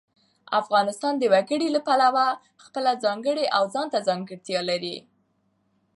افغانستان د وګړي له پلوه خپله ځانګړې او ځانته ځانګړتیا لري.